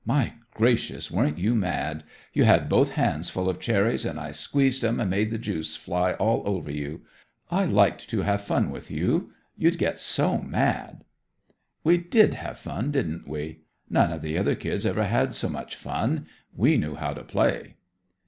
My gracious, weren't you mad! You had both hands full of cherries, and I squeezed 'em and made the juice fly all over you. I liked to have fun with you; you'd get so mad." "We did have fun, didn't we? None of the other kids ever had so much fun. We knew how to play."